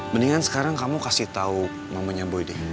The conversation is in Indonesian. mendingan sekarang kamu kasih tau mamenya boy deh